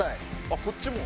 あっこっちも？